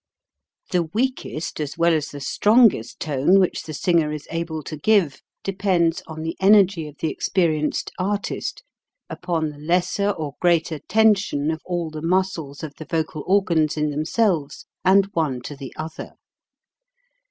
The weakest as well as the strongest tone which the singer is able to give depends on the energy of the experienced artist, upon the lesser or greater tension of all the muscles of the vocal organs in themselves and one to the other.